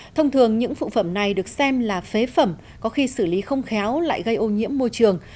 thông thường những phụ phẩm này được xem là phế phẩm có khi xử lý không khéo lại gây ô nhiễm môi trường